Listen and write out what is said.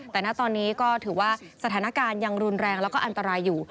แต่ณตอนนี้ก็ถือว่าสถานการณ์ยังรุนแรงแล้วก็อันตรายอยู่